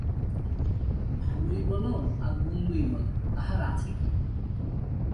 ভালোই বল আর মন্দই বল, তাহার আছে কী।